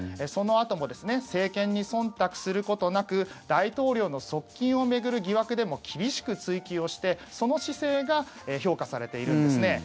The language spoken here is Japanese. そのあとも政権にそんたくすることなく大統領の側近を巡る疑惑でも厳しく追及をしてその姿勢が評価されているんですね。